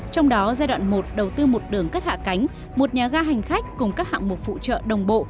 trong đó giai đoạn một đầu tư một đường cất hạ cánh một nhà ga hành khách cùng các hạng mục phụ trợ đồng bộ